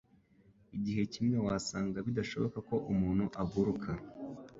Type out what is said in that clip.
Igihe kimwe wasangaga bidashoboka ko umuntu aguruka.